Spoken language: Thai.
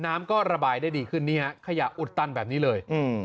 น้ำก็ระบายได้ดีขึ้นนี่ฮะขยะอุดตันแบบนี้เลยอืม